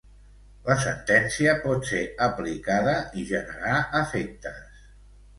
La sentència pot ser aplicada i generar efectes.